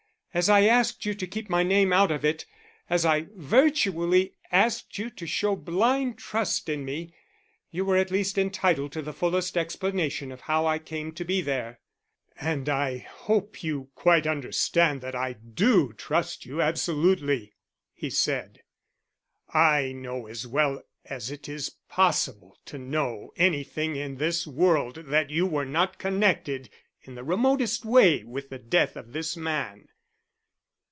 "As I asked you to keep my name out of it as I virtually asked you to show blind trust in me you were at least entitled to the fullest explanation of how I came to be there." "And I hope you quite understand that I do trust you absolutely," he said. "I know as well as it is possible to know anything in this world that you were not connected in the remotest way with the death of this man."